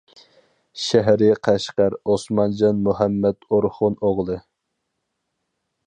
شەھىرى قەشقەر ئوسمانجان مۇھەممەد ئورخۇن ئوغلى.